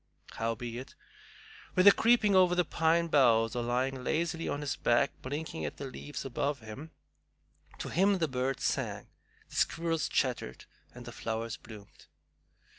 Howbeit, whether creeping over the pine boughs or lying lazily on his back blinking at the leaves above him, to him the birds sang, the squirrels chattered, and the flowers bloomed.